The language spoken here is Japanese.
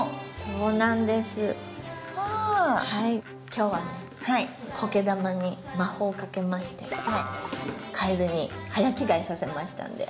今日はねコケ玉に魔法をかけましてかえるに早着替えさせましたんで。